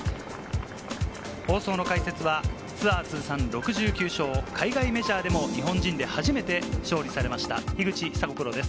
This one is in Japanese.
放送の解説は、ツアー通算６９勝、海外メジャーでも日本人で初めて勝利されました、樋口久子プロです。